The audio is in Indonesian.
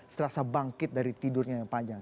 serasa bangkit dari tidurnya yang panjang